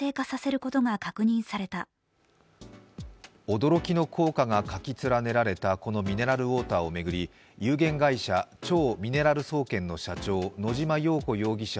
驚きの効果が書き連ねられたこのミネラルウォーターを巡り有限会社超ミネラル総研の社長野島洋子容疑者